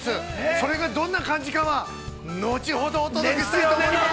それがどんな感じかは後ほどお届けしたいと思います！